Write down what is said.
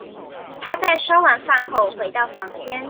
她在燒完飯後回到房間